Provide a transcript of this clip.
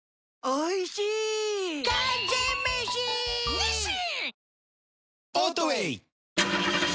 ニッシン！